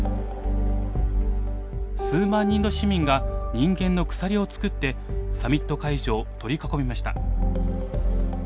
数万人の市民が人間の鎖を作ってサミット会場を取り囲みました。